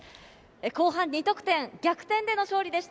後半２得点、逆転での勝利でした。